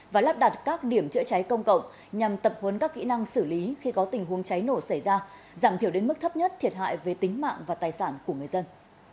và lắp đặt các điểm chữa cháy công cộng nhằm tập huấn các kỹ năng xử lý khi có tình huống cháy nổ xảy ra giảm thiểu đến mức thấp nhất thiệt hại về tính mạng và tài sản của người dân